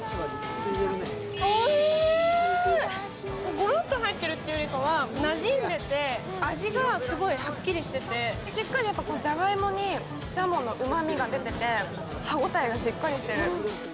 ごろっと入ってるというよりかは、なじんでて味がすごいはっきりしててしっかりじゃがいもにしゃものうまみが出ていて歯応えがしっかりしてる。